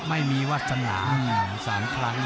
ไม่มีวาสนา๓ครั้ง